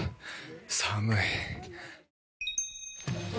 寒い。